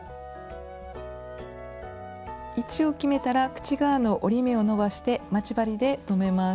位置を決めたら口側の折り目を伸ばして待ち針で留めます。